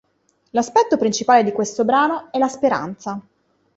L'aspetto principale di questo brano è la speranza.